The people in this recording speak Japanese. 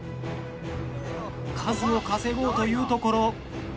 数を稼ごうというところ。